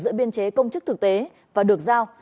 giữa biên chế công chức thực tế và được giao